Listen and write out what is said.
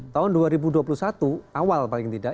tahun dua ribu dua puluh satu awal paling tidak